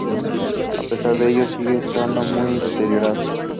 A pesar de ello sigue estando muy deteriorado.